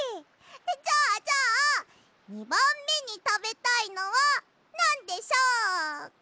じゃあじゃあ２ばんめにたべたいのはなんでしょうか？